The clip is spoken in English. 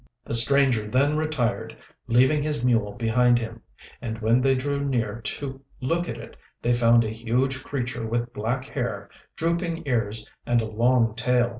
The stranger then retired, leaving his mule behind him; and when they drew near to look at it they found a huge creature with black hair, drooping ears, and a long tail.